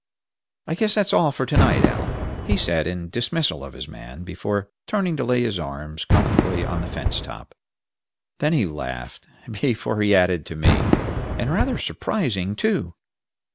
I guess that's all for to night, Al," he said, in dismissal of his man, before turning to lay his arms comfortably on the fence top. Then he laughed, before he added, to me, "And rather surprising, too."